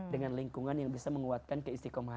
dengan lingkungan yang bisa menguatkan keistikomahan